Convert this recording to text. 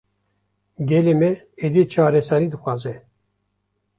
Gelê me, êdî çareserî dixwaze